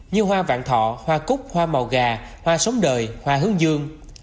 như hoa vạn thọ hoa cúc hoa màu gà hoa sống đời hoa hướng dương